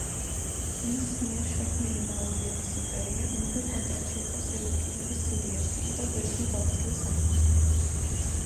მის მიერ შექმნილი მაურიების იმპერია მუდმივ კონტაქტში იყო სელევკიდების სირიასთან და ბერძნულ-ბაქტრიულ სამეფოსთან.